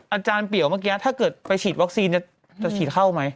อาจารย์เปี่ยวเมื่อกี้ถ้าเกิดไปฉีดวัคซีนจะฉีดเข้าไหม